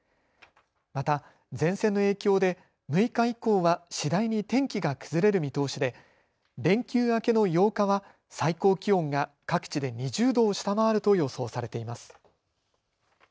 また前線の影響で６日以降は次第に天気が崩れる見通しで連休明けの８日は最高気温が各地で２０度を下回ると予想されています。